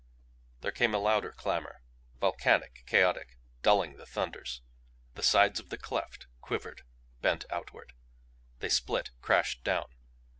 There came a louder clamor volcanic, chaotic, dulling the thunders. The sides of the cleft quivered, bent outward. They split; crashed down.